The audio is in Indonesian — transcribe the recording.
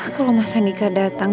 kalau mas hanika datang